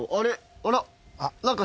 あら？